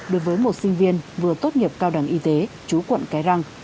đối với một sinh viên vừa tốt nghiệp cao đẳng y tế chú quận cái răng